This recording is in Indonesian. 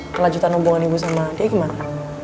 kelajutan hubungan ibu sama dia gimana